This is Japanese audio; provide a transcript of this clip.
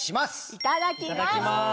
いただきます！